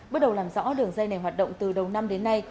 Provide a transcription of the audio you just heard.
bước đầu làm rõ đường dây này hoạt động từ đầu năm đến nay